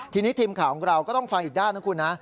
ทีนี้ทีมข่าวของเราก็ต้องฟังอีกด้านนะคุณนะ